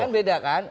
nah kan beda kan